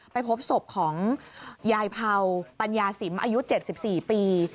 ไปพบศพของยายเภาปัญญาสิมอายุ๗๔ปี